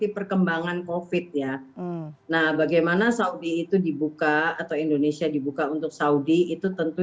perkembangan covid ya nah bagaimana saudi itu dibuka atau indonesia dibuka untuk saudi itu tentu